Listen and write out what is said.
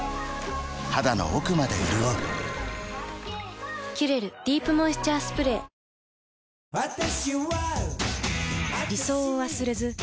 肌の奥まで潤う「キュレルディープモイスチャースプレー」なんか綺麗になった？